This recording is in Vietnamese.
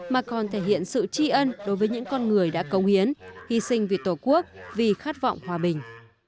mà còn thể hiện sự tri ân đối với những con người đã công hiến hy sinh vì tổ quốc vì khát vọng hòa bình